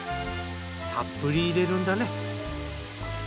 たっぷり入れるんだね。